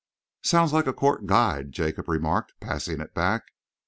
"Sounds like a Court guide," Jacob remarked, passing it back.